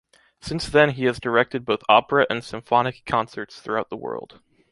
Since then he has directed both opera and symphonic concerts throughout the world.